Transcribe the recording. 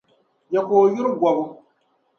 Ya ka o yuri gɔbu?